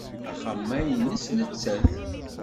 Axxam-a nnes nettat.